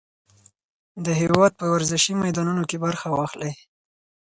د هېواد په ورزشي میدانونو کې برخه واخلئ.